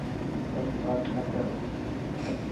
گلت بات نه ڪر.